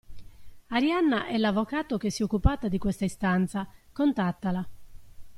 Arianna è l'avvocato che si è occupata di questa istanza, contattala.